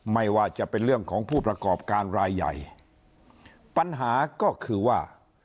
ไม่ว่าจะเป็นเรื่องของผู้ประกอบการรายใหญ่ปัญหาก็คือว่า